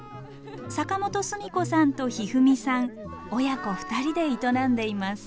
坂本寿美子さんと妃史さん親子２人で営んでいます。